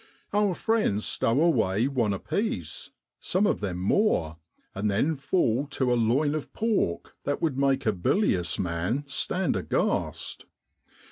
Our friends stow away one apiece, some of them more, and then fall to a loin of pork that would make a bilious man stand aghast.